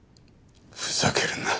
ふざけるな。